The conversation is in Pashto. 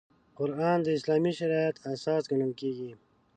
قران د اسلامي شریعت اساس ګڼل کېږي.